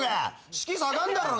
士気下がんだろうが。